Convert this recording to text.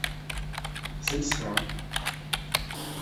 c'est le sien.